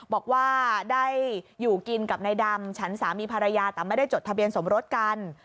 บอกว่าได้อยู่กินกับนายดำฉันสามีภรรยาแต่ไม่ได้จดทะเบียนสมรสกัน